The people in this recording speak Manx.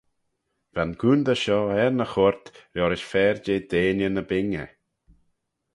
Va'n coontey shoh er ny choyrt liorish fer jeh deiney ny bingey.